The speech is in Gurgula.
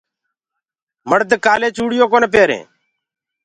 مڙد ڪآلي چوڙيونٚ ڪونآ پيري